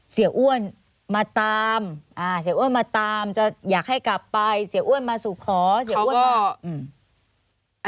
เสียอ้วนมาตามอ่าเสียอ้วนมาตามจะอยากให้กลับไปเสียอ้วนมาสู่ขอเสียอ้วนก็อืม